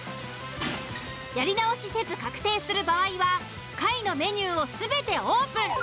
やり直しせず確定する場合は下位のメニューを全てオープン。